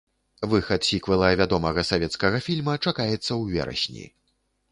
Выхад сіквэла вядомага савецкага фільма чакаецца ў верасні.